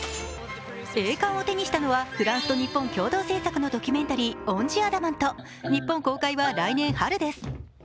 栄冠を手にしたのは、フランスと日本共同制作のドキュメンタリー「ＯＮＴＨＥＡＤＡＭＡＮＴ」、日本公開は来年春です。